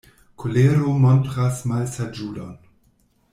Kolero montras malsaĝulon.